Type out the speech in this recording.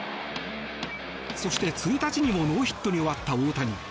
そして１日にもノーヒットに終わった大谷。